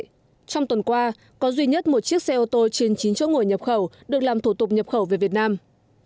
trong tuần qua có duy nhất một chiếc xe ô tô trên chín chỗ ngồi nhập khẩu được làm thủ tục nhập khẩu về việt nam